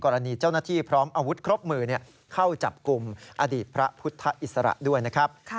กรณีเจ้าหน้าที่พร้อมอาวุธครบมือเข้าจับกลุ่มอดีตพระพุทธอิสระด้วยนะครับ